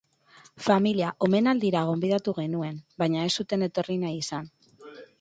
Familia omenaldira gonbidatu genuen, baina ez zuten etorri nahi izan.